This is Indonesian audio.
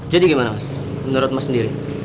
jadi gimana mas menurut mas sendiri